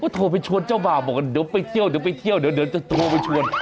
โทรไปชวนเจ้าบ่าวบอกว่าเดี๋ยวไปเที่ยวเดี๋ยวไปเที่ยวเดี๋ยวจะโทรไปชวน